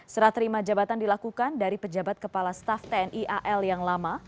serah terima jabatan dilakukan dari pejabat kepala staff tni al yang lama